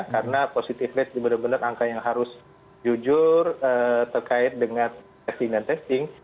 karena positive rate benar benar angka yang harus jujur terkait dengan testing dan testing